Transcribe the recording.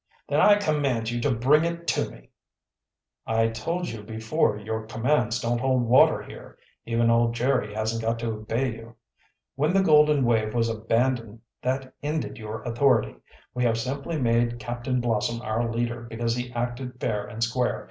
"Then I command you to bring it to me." "I told you before your commands don't hold water here. Even old Jerry hasn't got to obey you. When the Golden Wave was abandoned that ended your authority. We have simply made Captain Blossom our leader because he acted fair and square.